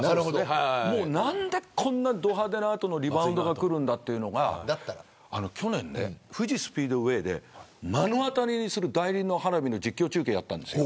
何でこんな、ど派手な後のリバウンドがくるんだというのが去年、富士スピードウェイで目の当たりにする大輪の花火の実況中継やったんです。